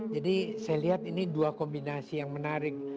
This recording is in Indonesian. jadi saya lihat ini dua kombinasi yang menarik